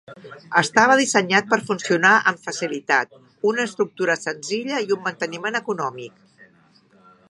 Estava dissenyat per funcionar amb facilitat, una estructura senzilla i un manteniment econòmic.